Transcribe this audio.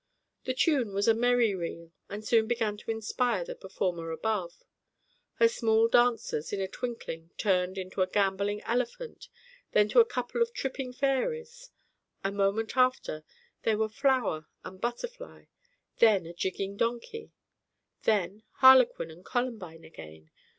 The tune was a merry reel and soon began to inspire the performer above. Her small dancers in a twinkling turned into a gamboling elephant, then to a couple of tripping fairies. A moment after, they were flower and butterfly, then a jigging donkey; then harlequin and columbine again.